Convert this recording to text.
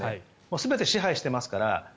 全てを支配していますから。